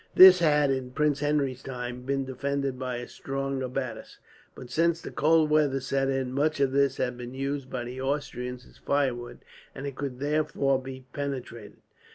This had, in Prince Henry's time, been defended by a strong abattis; but since the cold weather set in, much of this had been used by the Austrians as firewood, and it could therefore be penetrated.